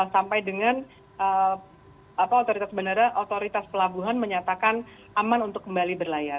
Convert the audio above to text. sampai dengan otoritas pelabuhan menyatakan aman untuk kembali berlayar